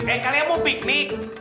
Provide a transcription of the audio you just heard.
eh kalian mau piknik